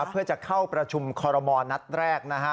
เพื่อจะเข้าประชุมคอรมณ์นัดแรก